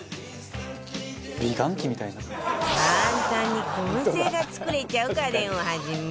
簡単に燻製が作れちゃう家電をはじめ